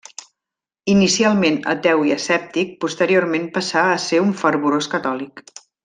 Inicialment ateu i escèptic, posteriorment passà a ser un fervorós catòlic.